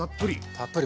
たっぷり。